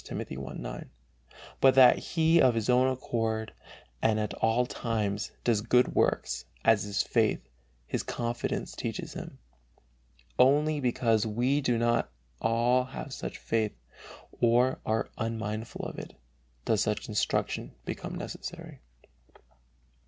Timothy 1:9), but that he of his own accord and at all times does good works "as his faith, his confidence, teaches him." Only "because we do not all have such faith, or are unmindful of it," does such instruction become necessary.